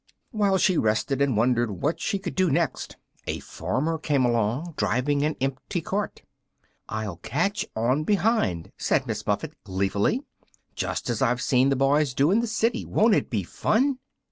While she rested and wondered what she could do next, a farmer came along, driving an empty cart. "I'll catch on behind," said Miss Muffet, gleefully, "just as I've seen the boys do in the city. Won't it be fun!"